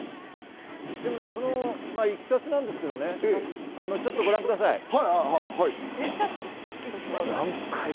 でもそのいきさつなんですけどね、ちょっと、ご覧ください。